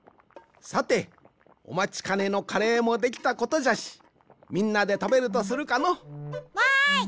さておまちかねのカレーもできたことじゃしみんなでたべるとするかの。わい！